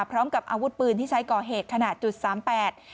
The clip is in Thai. พร้อมกับอาวุธปืนที่ใช้ก่อเหตุขนาด๓๘